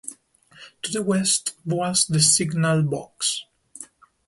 To the west was the signal box.